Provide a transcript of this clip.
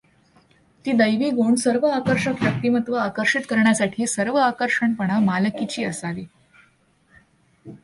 ती दैवी गुण सर्व आकर्षक व्यक्तिमत्व आकर्षित करण्यासाठी सर्व आकर्षकपणा मालकीची असावी.